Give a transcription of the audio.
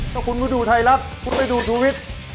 ถ้าคุณดูไทยลับคุณไปดูทุวิทย์